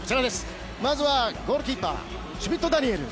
まず、ゴールキーパーシュミット・ダニエル。